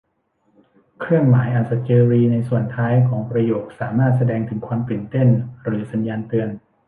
เครื่องหมายอัศเจรีย์ในส่วนท้ายของประโยคสามารถแสดงถึงความตื่นเต้น หรือสัญญาณเตือน